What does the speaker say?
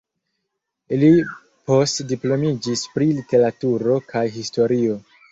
Li postdiplomiĝis pri Literaturo kaj Historio.